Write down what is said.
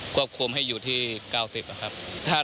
ก็ควรให้อยู่ที่๙๐กิโลเมตร